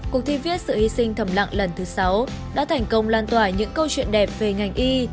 cuộc thi viết sự hy sinh thầm lặng lần thứ sáu đã thành công lan tỏa những câu chuyện đẹp về ngành y